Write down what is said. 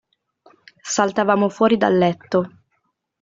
Saltavamo fuori dal letto.